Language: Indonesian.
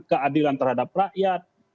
keadilan terhadap rakyat